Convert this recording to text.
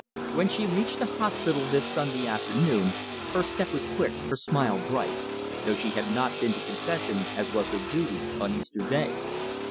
When she reached the hospital this Sunday afternoon her step was quick, her smile bright though she had not been to confession as was her duty on Easter day.